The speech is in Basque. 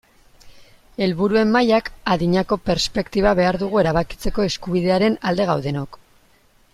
Helburuen mailak adinako perspektiba behar dugu erabakitzeko eskubidearen alde gaudenok.